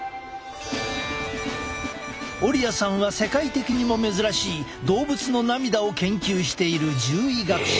オリアさんは世界的にも珍しい動物の涙を研究している獣医学者。